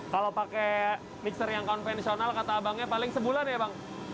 kalau pakai mixer yang konvensional kata abangnya paling sebulan ya bang